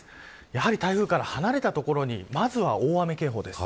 やはり台風から離れた所にまずは大雨警報です。